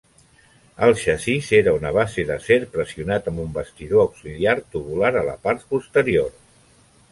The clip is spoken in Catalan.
El xassís era una base d'acer pressionat amb un bastidor auxiliar tubular a la part posterior.